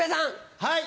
はい。